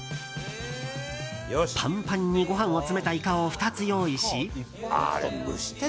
パンパンにご飯を詰めたイカを２つ用意し。